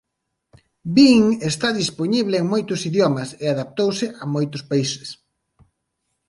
Bing está dispoñible en moitos idiomas e adaptouse a moitos países.